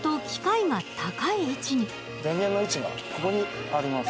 電源の位置がここにあります。